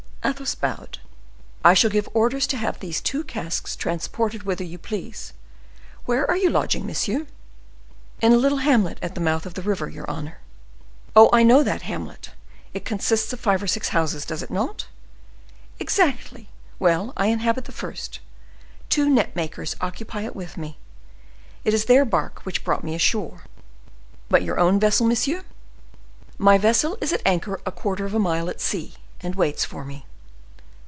Athos bowed. "I shall give orders to have these two casks transported whither you please. Where are you lodging, monsieur?" "In a little hamlet at the mouth of the river, your honor." "Oh, I know the hamlet; it consists of five or six houses, does it not?" "Exactly. Well, I inhabit the first,—two net makers occupy it with me; it is their bark which brought me ashore." "But your own vessel, monsieur?" "My vessel is at anchor, a quarter of a mile at sea, and waits for me."